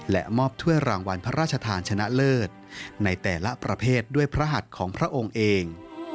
และมอบถ้วยรางวัลพระราชทานชนะเลิศในแต่ละประเภทด้วยพระหัสของพระองค์เอง